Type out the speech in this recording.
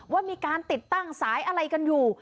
ว่ามีการติดตั้งสายอะไรกันอยู่